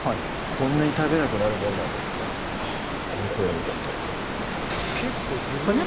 こんなに食べなくなるもんなんですねあぁ